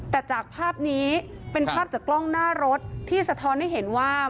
แต่จากภาพนี้เป็นภาพจากกล้องหน้ารถที่สะท้อนให้เห็นว่า